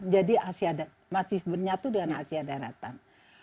jadi masih bernyatu dengan asia daratan